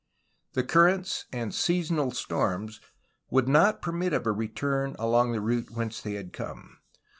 The currents and seasonal storms would not permit of a return along the route whence they had come.